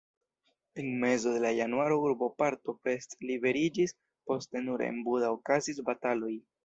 En mezo de januaro urboparto Pest liberiĝis, poste nur en Buda okazis bataloj.